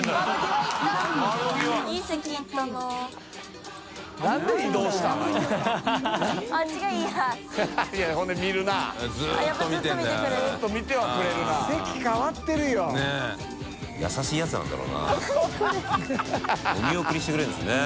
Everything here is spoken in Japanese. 飯尾）お見送りしてくれるんですね。